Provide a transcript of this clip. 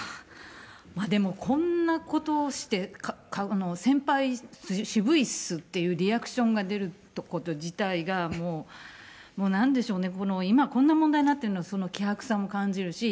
でも、こんなことをして、先輩渋いっすっていうリアクションが出ること自体が、もう、なんでしょうね、今、こんな問題になってるの、その希薄さも感じるし。